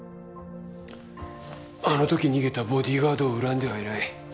あの時逃げたボディーガードを恨んではいない。